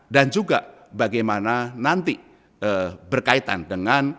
dan juga bagaimana nanti berkaitan dengan